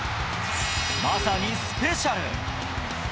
まさにスペシャル。